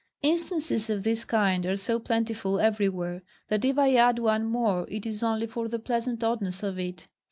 Instances of this kind are so plentiful everywhere, that if I add one more, it is only for the pleasant oddness of it.